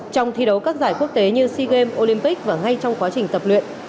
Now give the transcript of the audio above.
trong thi đấu các giải quốc tế như sea games olympic và ngay trong quá trình tập luyện